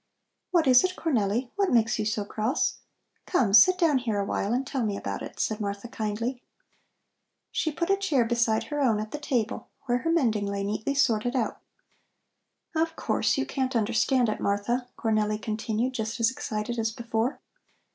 "What is it, Cornelli, what makes you so cross? Come, sit down here a while and tell me about it," said Martha kindly. She put a chair beside her own at the table where her mending lay neatly sorted out. "Of course, you can't understand it, Martha," Cornelli continued, just as excited as before.